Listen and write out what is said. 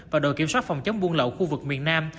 và đội kiểm soát phòng chống buôn lậu khu vực miền nam